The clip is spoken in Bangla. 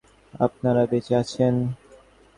আপনারা বেঁচে আছেন।